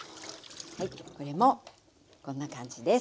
これもこんな感じです。